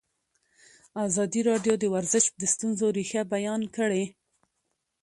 ازادي راډیو د ورزش د ستونزو رېښه بیان کړې.